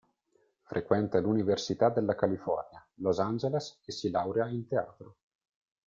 Frequenta l'Università della California, Los Angeles e si laurea in Teatro.